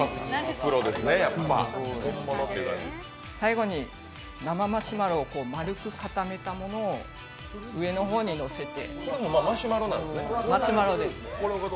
最後に生マシュマロを丸く固めたものを上の方にのせて。